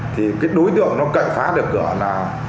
thì cái đối tượng nó cậy phá được cửa là